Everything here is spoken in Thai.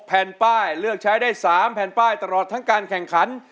แผ่นป้ายเลือกใช้ได้๓แผ่นป้ายตลอดทั้งการแข่งขัน